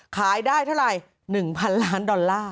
ขายได้เท่าไหร่๑๐๐๐ล้านดอลลาร์